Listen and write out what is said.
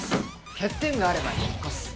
欠点があれば引っ越す。